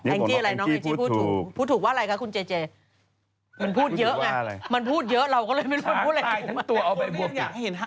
แองเจ่อะไรน้องแองเจ่พูดถูกพูดถูกว่าอะไรคะคุณเจ